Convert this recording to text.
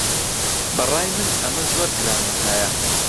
بەڕای من ئەمە زۆر گرانبەهایە.